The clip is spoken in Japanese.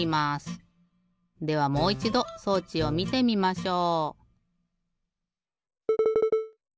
ではもういちど装置をみてみましょう！